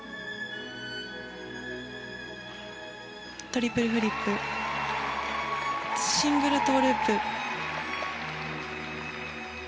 トリプルフリップシングルトウループ。